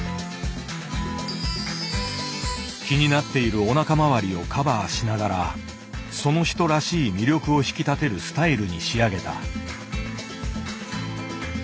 気になっているおなか回りをカバーしながらその人らしい魅力を引き立てるスタイルに仕上げた。